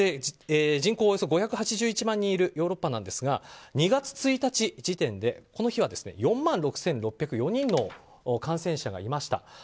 人口およそ５８１万人いるデンマークなんですが２月１日時点でこの日は４万６６０４人の感染者がいました。